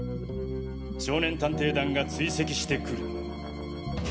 少年探偵団が追跡してくるのを。